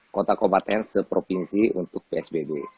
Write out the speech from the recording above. kota kopaten seprovinsi untuk psbb